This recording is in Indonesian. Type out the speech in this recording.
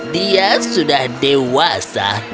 dia sudah dewasa